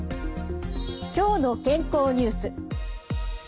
「きょうの健康」ニュース。